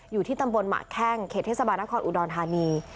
อยู่ที่ตำบลหมะแข้งเขตเทศบาลนครอุดรธานี